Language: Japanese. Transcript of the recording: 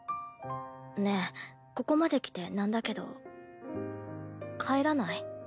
ねえここまで来てなんだけど帰らない？